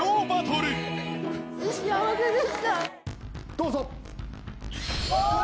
どうぞ！